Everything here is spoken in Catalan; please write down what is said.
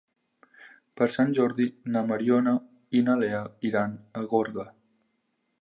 Per Sant Jordi na Mariona i na Lea iran a Gorga.